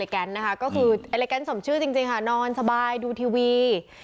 แกนสมชื่อจริงค่ะคุณสบายดูทีวี